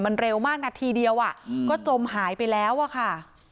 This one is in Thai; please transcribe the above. มันเร็วมากนาทีเดียวก็จมหายไปแล้วอะค่ะ